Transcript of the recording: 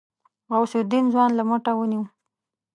غوث الدين ځوان له مټه ونيو.